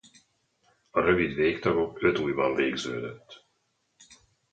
A rövid végtagok öt ujjban végződöt.